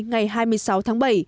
ngày một mươi ba tháng bảy